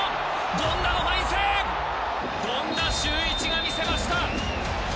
権田修一が見せました。